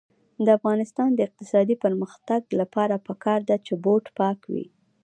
د افغانستان د اقتصادي پرمختګ لپاره پکار ده چې بوټ پاک وي.